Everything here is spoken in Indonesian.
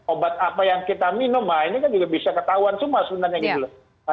obat apa yang kita minum nah ini kan juga bisa ketahuan semua sebenarnya gitu loh